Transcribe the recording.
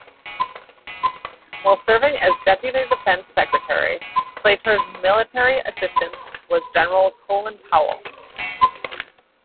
While serving as Deputy Defense Secretary, Claytor's military assistant was General Colin Powell.